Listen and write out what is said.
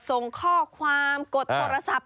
ส่งข้อความกดโทรศัพท์